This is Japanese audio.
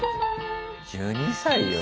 １２歳よ。